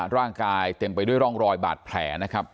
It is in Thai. ร่างกายเต็มไปด้วยร่องรอยบาดแผลนะครับ